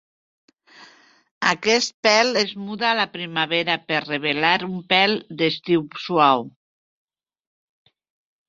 Aquest pèl es muda a la primavera per revelar un pèl d'estiu suau.